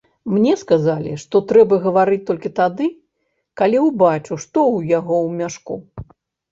Мне сказалі, што трэба гаварыць толькі тады, калі ўбачыў, што ў яго ў мяшку.